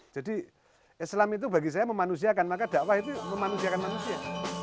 jadi islam itu bagi saya memanusiakan maka dakwah itu memanusiakan manusia